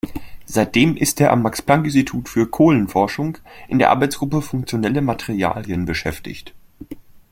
Seitdem ist er am Max-Planck-Institut für Kohlenforschung in der Arbeitsgruppe "Funktionelle Materialien" beschäftigt.